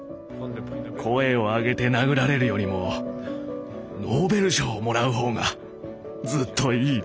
声を上げて殴られるよりもノーベル賞をもらう方がずっといいね。